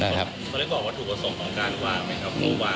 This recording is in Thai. เมื่อก่อนว่าถูกประสงค์ของการว่าไหมครับ